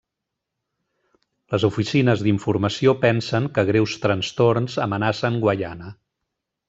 Les oficines d'informació pensen que greus trastorns amenacen Guaiana.